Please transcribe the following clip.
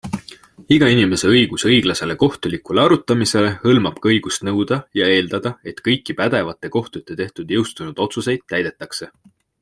Iga inimese õigus õiglasele kohtulikule arutamisele hõlmab ka õigust nõuda ja eeldada, et kõiki pädevate kohtute tehtud jõustunud otsuseid täidetakse.